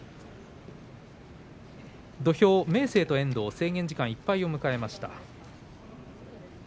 土俵は明生と遠藤制限時間いっぱいを迎えました。